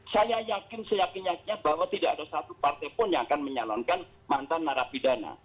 saya yakin seyakin yakinnya bahwa tidak ada satu partai pun yang akan menyalonkan mantan narapidana